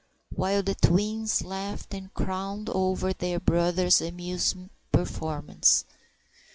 while the twins laughed and crowed over their brother's amusing performance.